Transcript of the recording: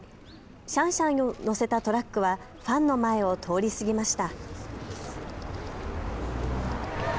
シャンシャンを乗せたトラックはファンの前を通り過ぎました。